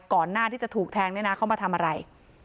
ก่อนหน้าที่จะถูกแทงเนี่ยนะเขามาทำอะไร